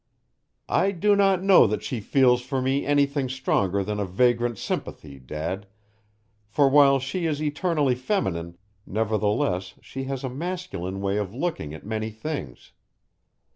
"I do not know that she feels for me anything stronger than a vagrant sympathy, Dad, for while she is eternally feminine, nevertheless she has a masculine way of looking at many things.